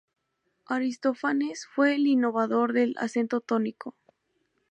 Aristófanes fue el innovador del acento tónico.